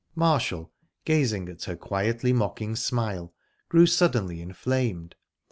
Marshall, gazing at her quietly mocking smile, grew suddenly inflamed.